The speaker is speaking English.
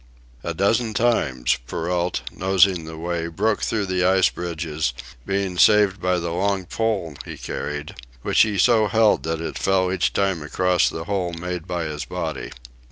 A dozen times, Perrault, nosing the way broke through the ice bridges, being saved by the long pole he carried, which he so held that it fell each time across the hole made by his body.